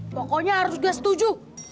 pokoknya harus dia setuju